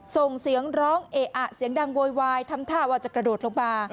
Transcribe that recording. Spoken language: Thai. ส่งเสียงร้องเออะเสียงดังโวยวายทำท่าว่าจะกระโดดลงมา